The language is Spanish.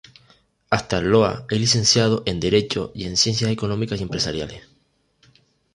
Astarloa es licenciado en Derecho y en Ciencias Económicas y Empresariales.